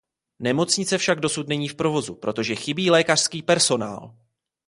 Nemocnice však dosud není v provozu, protože chybí lékařský personál!